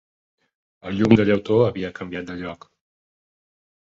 El llum de llautó havia canviat de lloc.